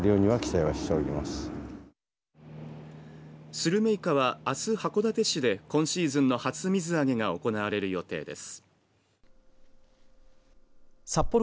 スルメイカは、あす函館市で今シーズンの初水揚げが行われる予定です。